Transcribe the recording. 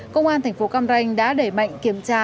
công an thành phố cam ranh đã đẩy mạnh kiểm tra